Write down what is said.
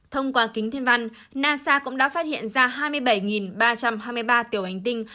thông qua kính thiên văn nasa cũng đã phát hiện ra hai mươi bảy ba trăm hai mươi ba tiểu hành tinh